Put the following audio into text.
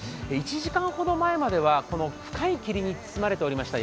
１時間ほど前までは深い霧に包まれておりました